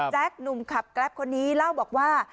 หนุ่มขับแกรปคนนี้เล่าบอกว่า